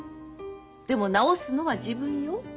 でも治すのは自分よ。